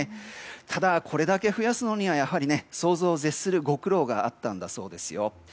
ただ、これだけ増やすのはやはり、想像を絶するご苦労があったんだそうですよ。